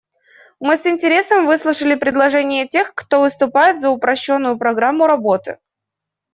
Мы с интересом выслушали предложения тех, кто выступает за упрощенную программу работы.